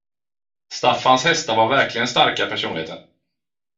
Staffans hästar var verkligen starka personligheter.